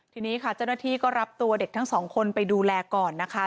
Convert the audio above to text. ทีนี้ค่ะเจ้าหน้าที่ก็รับตัวเด็กทั้งสองคนไปดูแลก่อนนะคะ